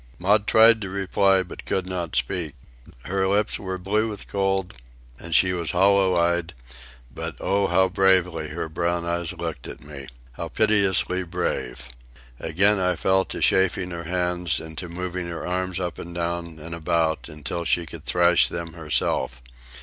Maud tried to reply, but could not speak. Her lips were blue with cold, and she was hollow eyed—but oh, how bravely her brown eyes looked at me! How piteously brave! Again I fell to chafing her hands and to moving her arms up and down and about until she could thrash them herself.